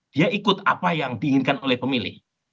dia ikut apa yang diinginkan oleh pemilih